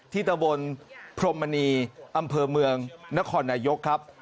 ตะบนพรมมณีอำเภอเมืองนครนายกครับ